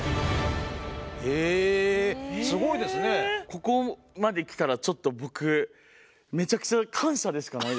ここまで来たらちょっと僕めちゃくちゃ確かにね。